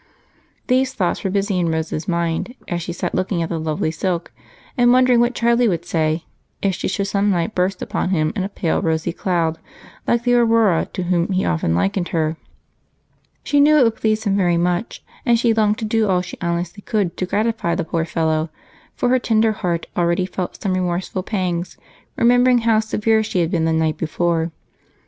These thoughts were busy in Rose's mind as she sat looking at the lovely silk and wondering what Charlie would say if she should some night burst upon him in a pale rosy cloud, like the Aurora to whom he often likened her. She knew it would please him very much and she longed to do all she honestly could to gratify the poor fellow, for her tender heart already felt some remorseful pangs, remembering how severe she had been the night before.